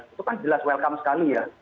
itu kan jelas welcome sekali ya